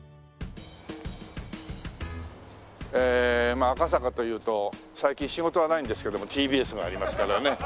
ええまあ赤坂というと最近仕事はないんですけどもＴＢＳがありますからね。